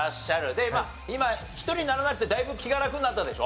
で今１人にならなくてだいぶ気が楽になったでしょ？